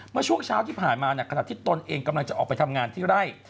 เมื่อช่วงเช้าที่ผ่านมาขณะที่ตนเองกำลังจะออกไปทำงานที่ไร่